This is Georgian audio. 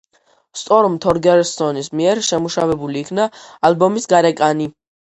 სტორმ თორგერსონის მიერ შემუშავებული იქნა ალბომის გარეკანი.